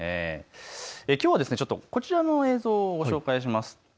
きょうはこちらの映像をご紹介します。